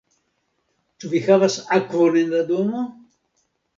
Ĉu vi havas akvon en la domo?